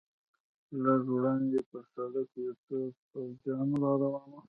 لږ وړاندې پر سړک یو څو پوځیان را روان و.